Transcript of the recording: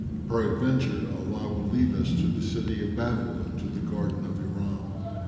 Peradventure, Allah will lead us to the city of Babel and the garden of Iram."